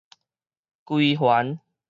歸還